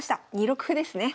２六歩ですね。